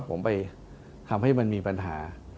ผมไปทำให้มันมีปัญหา